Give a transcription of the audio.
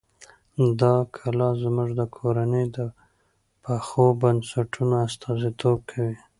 دا کلا زموږ د کورنۍ د پخو بنسټونو استازیتوب کوي.